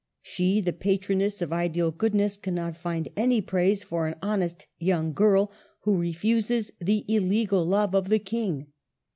She, the patroness of ideal goodness, cannot find any praise for an honest young girl who refuses the illegal love of the King.